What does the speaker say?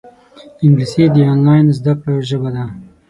انګلیسي د آنلاین زده کړو ژبه ده